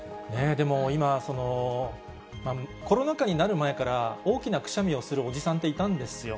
でも今、コロナ禍になる前から、大きなくしゃみをするおじさんっていたんですよ。